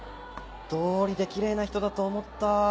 どうりでキレイな人だと思った。